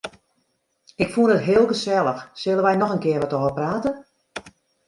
Ik fûn it heel gesellich, sille wy noch in kear wat ôfprate?